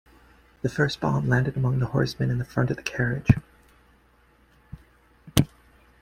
The first bomb landed among the horsemen in front of the carriage.